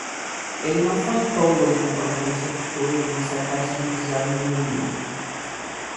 Ele não foi tolo em comprometer seu futuro em um seqüestro de entusiasmo juvenil.